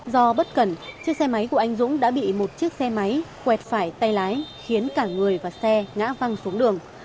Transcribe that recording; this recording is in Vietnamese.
do bất cẩn chiếc xe máy của anh dũng đã bị một chiếc xe máy quẹt phải tay lái khiến cả người và xe ngã văng xuống đường